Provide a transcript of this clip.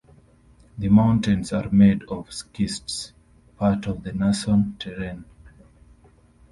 The mountains are made of schist, part of the Nason terrane.